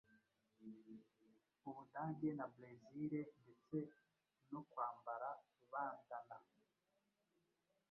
ubudage na Bresil, ndetse no kwambara bandana